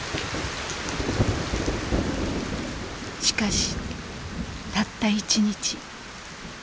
しかしたった一日。